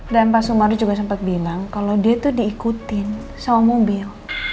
dan pak sumarang juga sempat bilang kalau dia tuh diikutin sama mobil